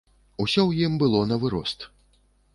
Усё ў ім было навырост.